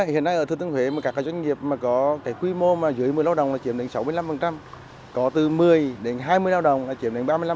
hiện nay ở thư tướng huế các doanh nghiệp có quy mô dưới một mươi lao động là chiếm đến sáu mươi năm có từ một mươi đến hai mươi lao động là chiếm đến ba mươi năm